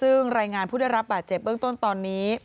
ซึ่งรายงานผู้ได้รับบาดเจ็บเบื้องต้นตอนนี้